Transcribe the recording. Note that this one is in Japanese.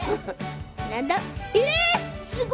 何だ？